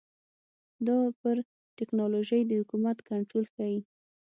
دا پر ټکنالوژۍ د حکومت کنټرول ښيي.